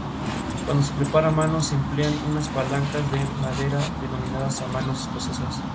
Cuando se prepara a mano se emplean unas palancas de madera denominadas manos escocesas.